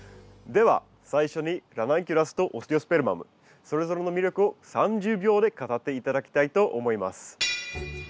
では最初にラナンキュラスとオステオスペルマムそれぞれの魅力を３０秒で語って頂きたいと思います。